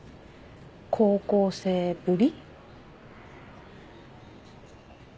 高校生ぶり？